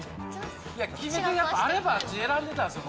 決め手あればあっち選んでたんですよ